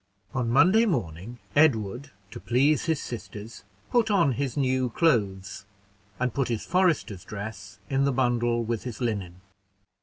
On Monday morning, Edward, to please his sisters, put on his new clothes, and put his forester's dress in the bundle with his linen.